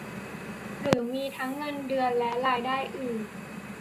หรือมีทั้งเงินเดือนและรายได้อื่น